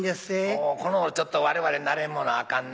もうこの頃ちょっと我々慣れんものあかんな。